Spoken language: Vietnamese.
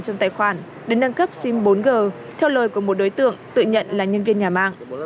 trong tài khoản để nâng cấp sim bốn g theo lời của một đối tượng tự nhận là nhân viên nhà mạng